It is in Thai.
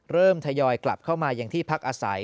ทยอยกลับเข้ามาอย่างที่พักอาศัย